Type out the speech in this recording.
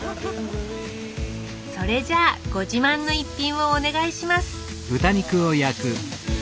それじゃあご自慢の一品をお願いします